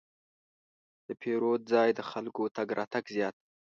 د پیرود ځای ته د خلکو تګ راتګ زیات و.